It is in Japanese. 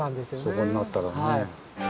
そこになったらね。